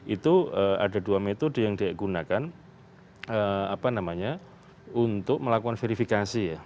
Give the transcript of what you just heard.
itu ada dua metode yang digunakan untuk melakukan verifikasi ya